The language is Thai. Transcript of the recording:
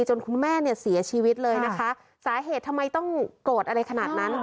คุณแม่เนี่ยเสียชีวิตเลยนะคะสาเหตุทำไมต้องโกรธอะไรขนาดนั้น